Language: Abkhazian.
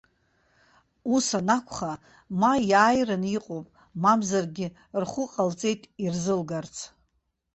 Ус анакәха, ма иааираны иҟоуп, мамзаргьы рхәы ҟалҵеит ирзылгарц.